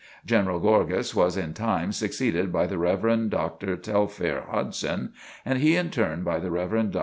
General Gorgas was in time succeeded by the Rev. Dr. Telfair Hodgson, and he in turn by the Rev. Dr.